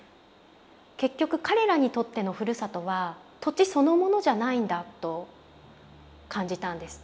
結局彼らにとってのふるさとは土地そのものじゃないんだと感じたんです。